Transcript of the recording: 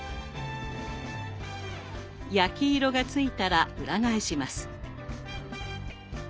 焼き色がついたら裏返します。